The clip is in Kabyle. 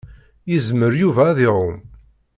Yezmer Yuba ad iɛumm.